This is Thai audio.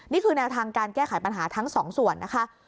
นี่คือแนวทางการแก้ไขปัญหาทั้งสองส่วนนะคะ